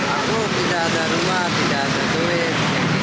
aku tidak ada rumah tidak ada tulis